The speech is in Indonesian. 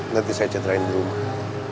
nanti saya citrain di rumah